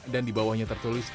dan di bawahnya tertulis